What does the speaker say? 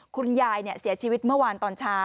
คุณยายเสียชีวิตเมื่อวานตอนเช้า